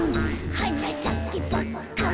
「はなさけパッカン」